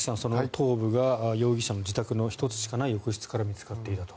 頭部が容疑者の自宅の１つしかない浴室から見つかっていたと。